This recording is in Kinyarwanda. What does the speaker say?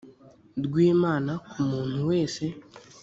rw imana ku muntu wese